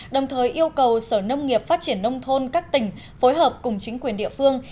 đồng thời yêu cầu sở nông nghiệp phát triển nông thôn các tỉnh phối hợp cùng chính quyền địa phương